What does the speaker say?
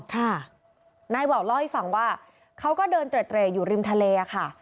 ค่ะนายวาวเล่าให้ฟังว่าเขาก็เดินเตรอยู่ริมทะเลค่ะ